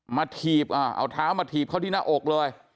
ถีบเอาเท้ามาถีบเขาที่หน้าอกเลย